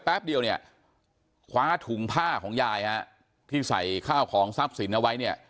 แป๊บเดียวเนี่ยคว้าถุงผ้าของยายฮะที่ใส่ข้าวของทรัพย์สินเอาไว้เนี่ย